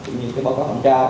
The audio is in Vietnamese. như cái báo cáo thẩm tra